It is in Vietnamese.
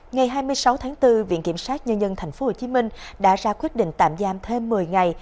ngày hai mươi sáu tháng bốn viện kiểm sát nhân dân tp hcm đã ra quyết định tạm giam thêm một mươi ngày